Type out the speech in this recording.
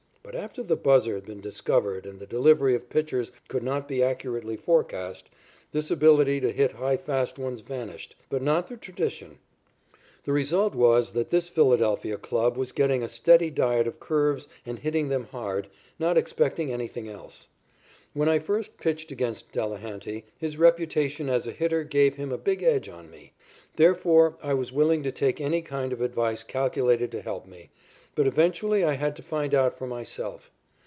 But, after the buzzer had been discovered and the delivery of pitchers could not be accurately forecast, this ability to hit high fast ones vanished, but not the tradition. The result was that this Philadelphia club was getting a steady diet of curves and hitting them hard, not expecting anything else. When I first pitched against Delehanty, his reputation as a hitter gave him a big edge on me. Therefore I was willing to take any kind of advice calculated to help me, but eventually I had to find out for myself.